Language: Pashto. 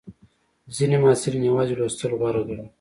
ځینې محصلین یوازې لوستل غوره ګڼي.